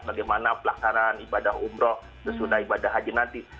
bagaimana pelaksanaan ibadah umroh sesudah ibadah haji nanti